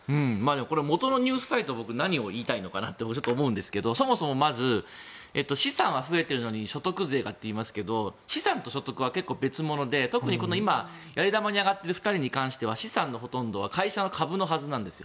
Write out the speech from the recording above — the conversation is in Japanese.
元のニュースサイトが何を言いたいのかとちょっと思うんですがそもそもまず資産は増えているのに所得税がといいますが資産と所得は結構別物でやり玉に挙がっている２人に関しては資産のほとんどは会社の株のはずなんですよ。